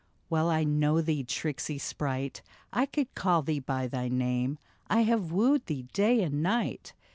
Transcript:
Well I know thee, tricksy sprite — I could call thee by thy name ; I have wooed thee day and night.